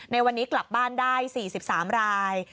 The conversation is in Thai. ในวันนี้กลับบ้านได้๔๓ราย